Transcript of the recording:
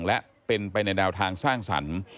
และเป็นไปในแนวทางสร้างสรรค์